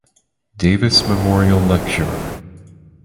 Davis Memorial Lecture.